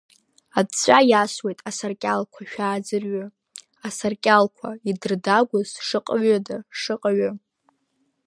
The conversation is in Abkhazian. Аҵәҵәа иасуеит асаркьалқәа, шәааӡырҩы, Асаркьалқәа идырдагәаз шаҟаҩыда, шаҟаҩы!